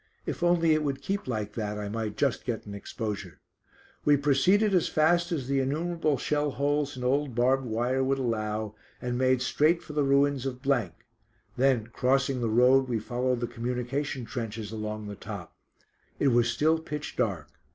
If only it would keep like that I might just get an exposure. We proceeded as fast as the innumerable shell holes and old barbed wire would allow, and made straight for the ruins of , then crossing the road we followed the communication trenches along the top. It was still pitch dark.